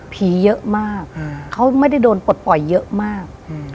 เยอะมากเขาไม่ได้โดนปลดปล่อยเยอะมาก